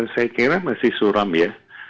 saya kira masih suram ya